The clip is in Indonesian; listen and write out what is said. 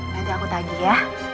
nanti aku tagih ya